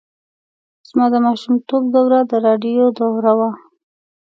زما د ماشومتوب دوره د راډیو دوره وه.